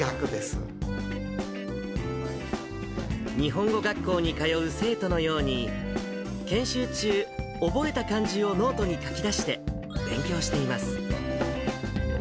日本語学校に通う生徒のように、研修中、覚えた漢字をノートに書き出して、勉強しています。